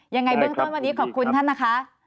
ยังไงเบื้องต้นวันนี้ขอบคุณท่านนะคะ